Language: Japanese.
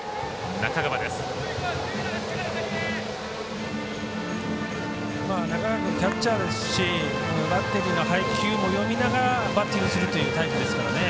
中川君キャッチャーですしバッテリーの配球も読みながらバッティングするというタイプですからね。